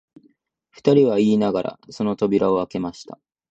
二人は言いながら、その扉をあけました